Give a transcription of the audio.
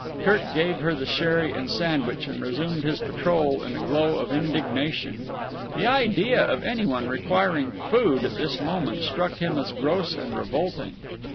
Kirk gave her the sherry and sandwich and resumed his patrol in a glow of indignation. The idea of any one requiring food at this moment struck him as gross and revolting.